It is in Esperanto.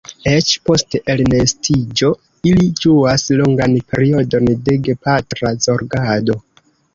Eĉ post elnestiĝo ili ĝuas longan periodon de gepatra zorgado.